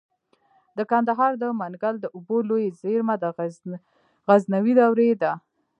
د کندهار د منگل د اوبو لوی زیرمه د غزنوي دورې ده